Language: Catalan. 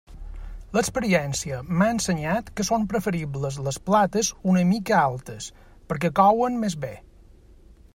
L'experiència m'ha ensenyat que són preferibles les plates una mica altes, perquè couen més bé.